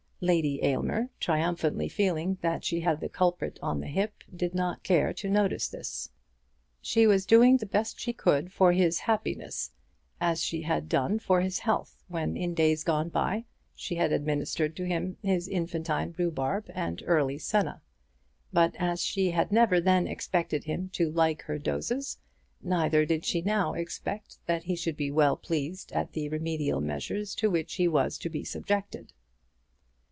Lady Aylmer, triumphantly feeling that she had the culprit on the hip, did not care to notice this. She was doing the best she could for his happiness, as she had done for his health, when in days gone by she had administered to him his infantine rhubarb and early senna; but as she had never then expected him to like her doses, neither did she now expect that he should be well pleased at the remedial measures to which he was to be subjected.